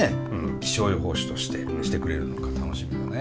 気象予報士としてしてくれるのか楽しみだね。